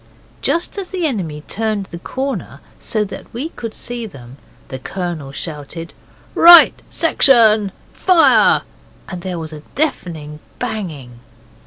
Just as the enemy turned the corner so that we could see them, the Colonel shouted 'Right section, fire!' and there was a deafening banging.